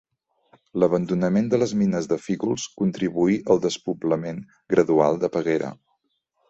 L'abandonament de les mines de Fígols contribuí al despoblament gradual de Peguera.